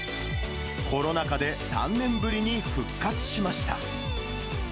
コロナ禍で３年ぶりに復活しました。